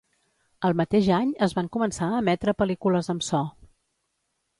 Al mateix any es van començar a emetre pel·lícules amb so.